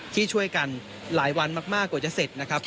ที่ช่วยกันหลายวันมากกว่าจะเสร็จนะครับ